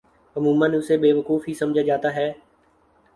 عموما اسے بیوقوف ہی سمجھا جاتا ہے۔